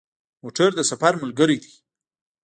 موټر د سفر ملګری دی.